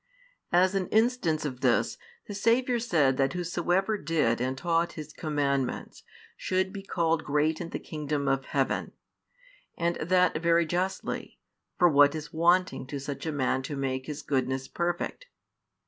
As an instance of this, the Saviour said that whosoever did and taught [His commandments] should be called great in the kingdom of heaven: and that very justly, for what is wanting to such a man to make his goodness perfect?